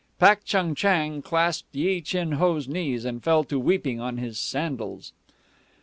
Pak Chung Chang clasped Yi Chin Ho's knees and fell to weeping on his sandals.